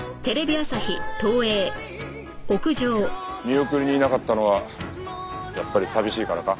見送りにいなかったのはやっぱり寂しいからか？